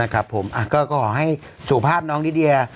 คือคือคือคือ